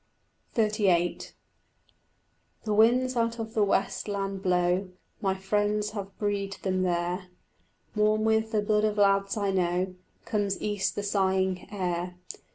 XXXVIII The winds out of the west land blow, My friends have breathed them there; Warm with the blood of lads I know Comes east the sighing air.